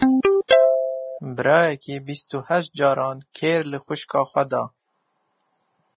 Birayekî bîst û heşt caran kêr li xwişka xwe da.